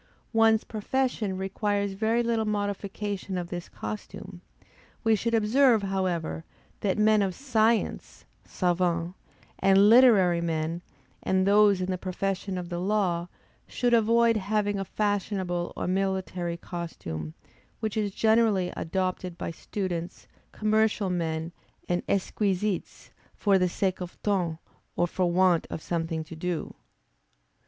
One's profession requires very little modification of this costume; we should observe, however, that men of science (savans) and literary men and those in the profession of the law, should avoid having a fashionable or military costume, which is generally adopted by students, commercial men, and exquisites, for the sake of ton or for want of something to do.